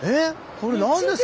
これ何ですか？